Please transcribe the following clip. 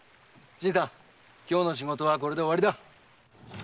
今日の仕事はこれで終わりだ。